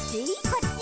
「こっち？」